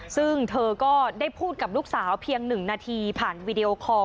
ซึ่งเธอก็ได้พูดกับลูกสาวเพียง๑นาทีผ่านวีดีโอคอล